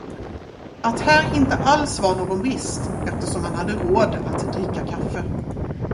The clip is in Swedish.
Att här inte alls var någon brist, eftersom man hade råd att dricka kaffe.